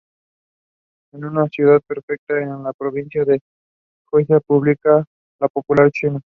Es una ciudad-prefectura en la provincia de Jiangsu, República Popular de China.